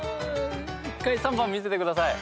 １回３番見せてください。